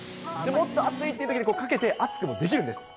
もっとあついというときにかけて、暑くもできるんです。